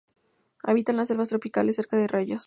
Habita en selvas tropicales cerca de arroyos.